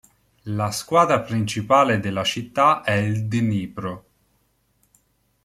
La squadra principale della città è il Dnipro.